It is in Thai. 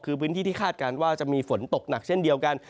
คือพื้นที่ที่คาดการณ์ว่าจะมีฝนตกหนักเช่นเดียวกัน